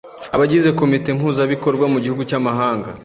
Abagize komite mpuzabikorwa mu gihugu cy’amahanga